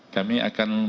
kami akan mengembangkan